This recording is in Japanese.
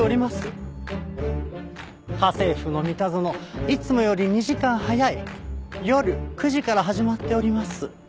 『家政夫のミタゾノ』いつもより２時間早い夜９時から始まっております。